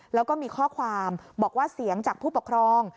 แล้วก็มีข้อความบอกว่าเสียงจากผู้ปกครอง